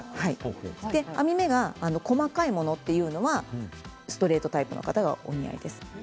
編み目が細かいものというのはストレートタイプの方がお似合いです。